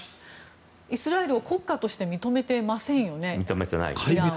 イスラエルを国家として認めてませんよね。